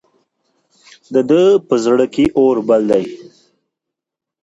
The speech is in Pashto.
د ده په زړه کې اور بل دی.